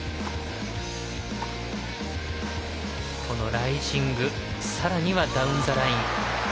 ライジングさらにはダウンザライン